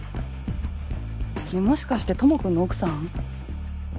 君もしかして智くんの奥さん？